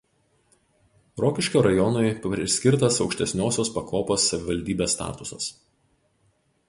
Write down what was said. Rokiškio rajonui priskirtas aukštesniosios pakopos savivaldybės statusas.